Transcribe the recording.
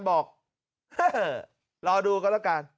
บอกหึหึรอดูก็แล้วกัน